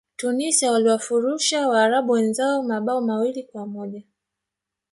tunisia waliwafurusha waarabu wenzao mabao mawili kwa moja